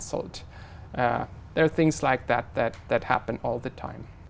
có thể gặp vấn đề về